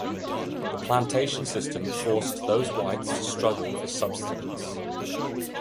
The plantation system forced those whites to struggle for subsistence.